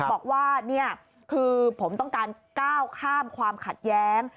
บอกว่านี่คือผมต้องการก้าวข้ามความขัดแย้ง